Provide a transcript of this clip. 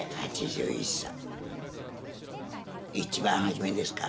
一番初めですか？